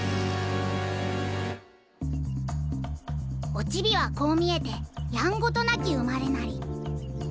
オチビはこう見えてやんごとなき生まれなり。